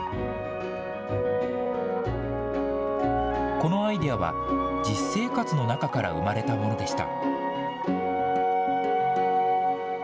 このアイデアは、実生活の中から生まれたものでした。